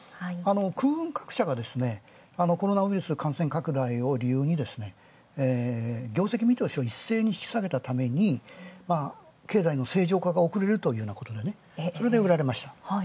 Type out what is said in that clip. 空運各社がコロナウイルス感染拡大を理由に、業績見通しを一斉に引き下げたために、経済の正常化が遅れるということでそれで売られました。